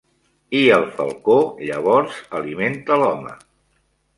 I el falcó llavors alimenta l'home.